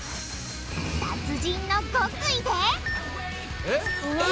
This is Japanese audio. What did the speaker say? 達人の極意でえっ！